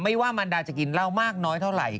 ว่ามันดาจะกินเหล้ามากน้อยเท่าไหร่